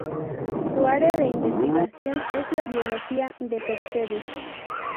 Su área de investigación es la biología de percebes.